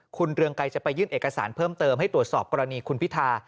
คุณเรืองไกรจะไปยื่นเอกสารเพิ่มเติมให้ตรวจสอบกรณีคุณพิธา